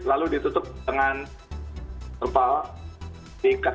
lalu ditutup dengan terpal diikat